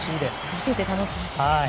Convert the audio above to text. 見ていて楽しいですね。